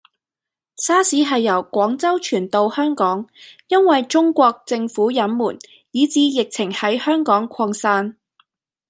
沙士喺由廣州傳到香港，因為中國政府隱瞞，以致疫情喺香港擴散